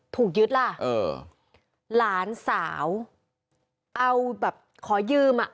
ถูกยึดล่ะเออหลานสาวเอาแบบขอยืมอ่ะ